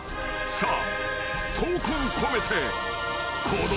さあ。